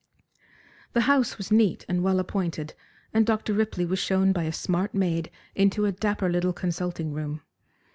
The house was neat and well appointed, and Dr. Ripley was shown by a smart maid into a dapper little consulting room.